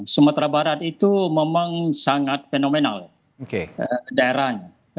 sumatera barat itu memang sangat fenomenal daerahnya